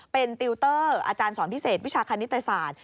เป็นติวเตอร์อาจารย์สอนพิเศษวิชาคณิตศาสตร์